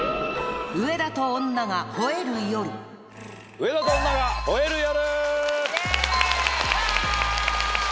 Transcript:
『上田と女が吠える夜』！